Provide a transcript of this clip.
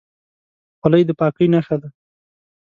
خولۍ د پاکۍ نښه ده.